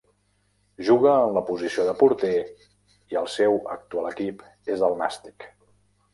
Juga en la posició de porter i el seu actual equip és el Nàstic.